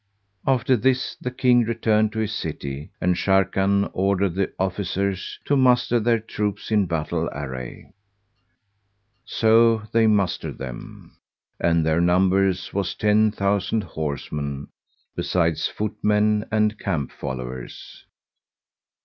After this, the King returned to his city and Sharrkan ordered the officers to muster their troops in battle array. So they mustered them; and their number was ten thousand horsemen, besides footmen and camp followers.